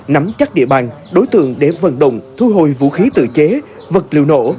nắm chắc địa bàn đối tượng để vận động thu hồi vũ khí tự chế vật liệu nổ